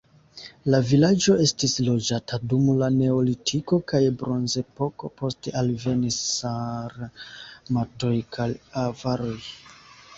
La vilaĝo estis loĝata dum la neolitiko kaj bronzepoko, poste alvenis sarmatoj kaj avaroj.